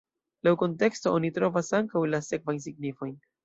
Laŭ la konteksto oni trovas ankaŭ la sekvajn signifojn.